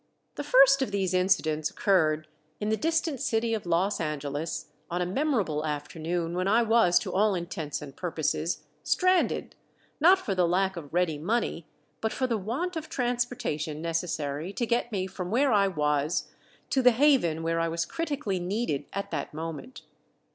The first of these incidents occurred in the distant city of Los Angeles on a memorable afternoon when I was to all intents and purposes stranded; not for the lack of ready money, but for the want of transportation necessary to get me from where I was to the haven where I was critically needed at that moment.